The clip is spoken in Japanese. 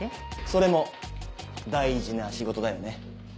それも大事な仕事だよね。